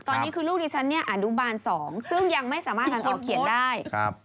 ตอนนี้คือลูกที่ฉันนี่อ่านดูบาน๒ซึ่งยังไม่สามารถออกเขียนได้